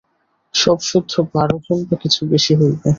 সবসুদ্ধ বার জন বা কিছু বেশী হইবে।